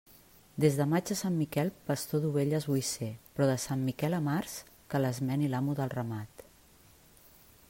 Des de maig a Sant Miquel, pastor d'ovelles vull ser; però de Sant Miquel a març, que les meni l'amo del ramat.